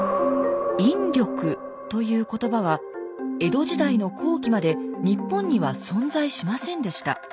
「引力」という言葉は江戸時代の後期まで日本には存在しませんでした。